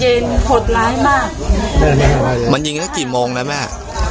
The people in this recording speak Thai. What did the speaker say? หดร้ายมากมันยิงตั้งกี่โมงแล้วแม่